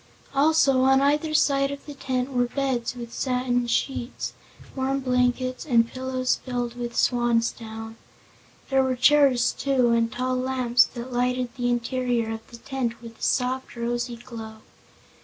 Also, on either side of the tent were beds, with satin sheets, warm blankets and pillows filled with swansdown. There were chairs, too, and tall lamps that lighted the interior of the tent with a soft, rosy glow.